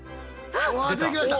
うわ出てきました！